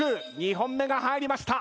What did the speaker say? ２本目が入りました。